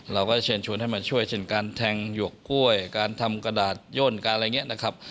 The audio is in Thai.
เราก็เชิญชวนให้มาช่วยเช่นการแทงหยวกกล้วยการทำกระดาษย่นการอะไรอย่างนี้นะครับ